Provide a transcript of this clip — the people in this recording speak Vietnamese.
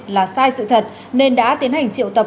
là sai sự thật nên đã tiến hành triệu tập